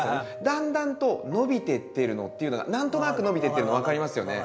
だんだんと伸びてってるのっていうのが何となく伸びてってるの分かりますよね。